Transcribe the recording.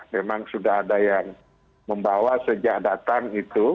memang sudah ada yang membawa sejak datang itu